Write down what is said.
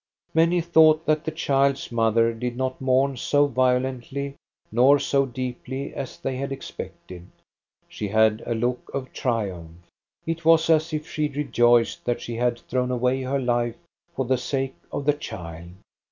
Many thought that the child's mother did not mourn so violently nor so deeply as they had expected ; she had a look of triumph. It was as if she rejoiced that she had thrown away her life for the sake of the child.